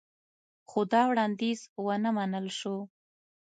خو دا وړاندیز ونه منل شو